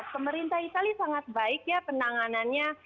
pemerintah itali sangat baik ya penanganannya